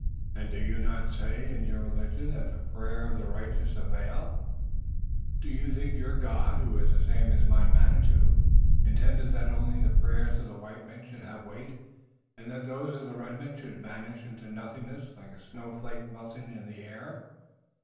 And do you not say in your religion that the prayer of the righteous availeth? Do you think your God, who is the same as my Manitou, intended that only the prayers of the white men should have weight, and that those of the red men should vanish into nothingness like a snowflake melting in the air?